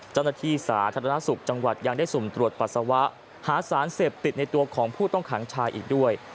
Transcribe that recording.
เจ้าหน้าที่สาธารณสุขจังหวัดยังได้สุ่มตรวจปัสสาวะหาสารเสพติดในตัวของผู้ต้องขังชายอีกด้วย